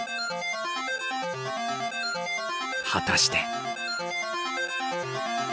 果たして。